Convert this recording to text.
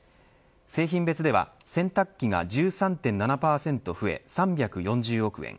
製品別では洗濯機が１３．７％増え３４０億円